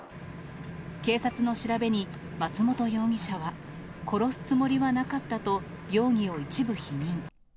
警察の調べに、松元容疑者は、殺すつもりはなかったと、容疑を一部否認。